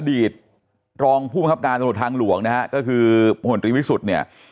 อดีตรองผู้ประกับการสนุทธิ์ทางหลวงนะฮะก็คือหวันตรีวิสุทธิ์เนี่ย